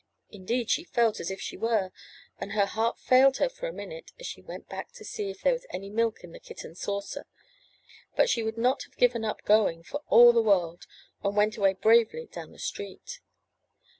Indeed she felt as if she were, and her heart failed her for a minute as she went back to see if there was any milk in the kitten's saucer, but she would not have given up going for all the world, and went away bravely down the street.